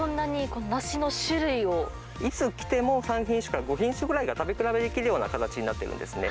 いつ来ても、３品種から５品種ぐらいが食べ比べできるような形になっているんですね。